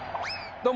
どうも。